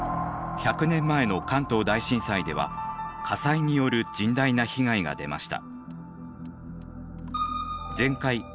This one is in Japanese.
１００年前の関東大震災では火災による甚大な被害が出ました。